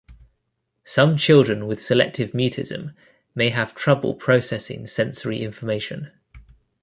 Some children with selective mutism may have trouble processing sensory information.